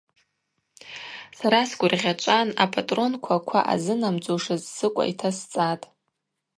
Сара сгвыргъьачӏван апӏатӏронква ква ъазынамдзушыз сыкӏва йтасцӏатӏ.